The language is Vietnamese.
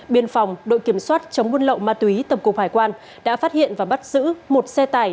biên phòng đội kiểm soát chống quân lộ ma túy tập cục hải quan đã phát hiện và bắt giữ một xe tải